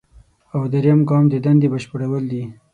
او دریم ګام د دندې بشپړول دي.